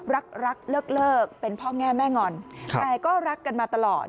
รักรักเลิกเป็นพ่อแง่แม่งอนแต่ก็รักกันมาตลอด